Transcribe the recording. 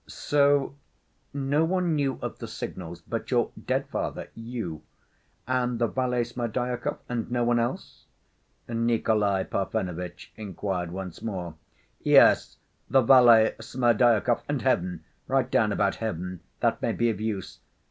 "So no one knew of the signals but your dead father, you, and the valet Smerdyakov? And no one else?" Nikolay Parfenovitch inquired once more. "Yes. The valet Smerdyakov, and Heaven. Write down about Heaven. That may be of use.